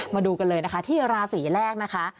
มาดูกันเลยนะคะที่ราศีแรกนะคะ